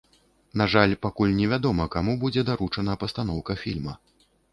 На жаль, пакуль невядома, каму будзе даручана пастаноўка фільма.